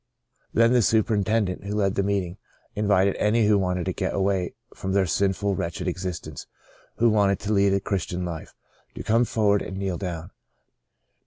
Then the superin tendent, who led the meeting, invited any who wanted to get away from their sinful, wretched existence, who wanted to lead a Christian life, to come forward and kneel down.